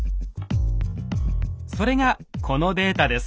それがこのデータです。